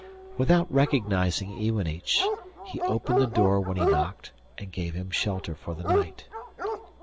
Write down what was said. Without recognising Iwanich, he opened the door when he knocked and gave him shelter for the night.